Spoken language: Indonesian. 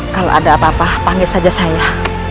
kalau ada apa apa panggil saja saya